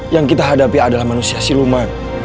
yang kita hadapi adalah manusia siluman